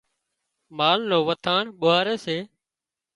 مال نُون وٿاڻ ٻوهاري سي